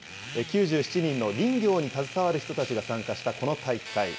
９７人の林業に携わる人たちが参加したこの大会。